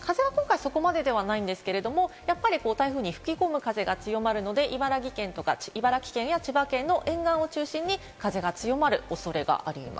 風は今回そこまでではないんですけれども、台風に吹き込む風が強まるので、茨城県とか千葉県の沿岸を中心に風が強まるおそれがあります。